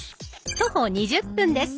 徒歩２０分です。